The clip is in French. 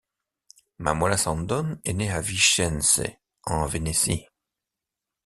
Mammola Sandon est née à Vicence, en Vénétie.